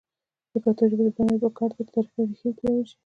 د پښتو ژبې د بډاینې لپاره پکار ده چې تاریخي ریښې پیاوړې شي.